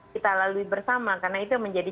kita lalui bersama karena itu menjadi